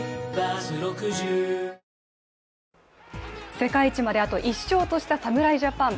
世界一まであと１勝とした侍ジャパン。